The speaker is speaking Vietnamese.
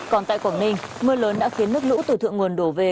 còn tại quảng ninh mưa lớn đã khiến nước lũ từ thượng nguồn đổ về